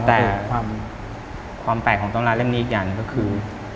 แต่ความแปลกของตำราเล่มนี้อีกอย่างหนึ่งก็คือ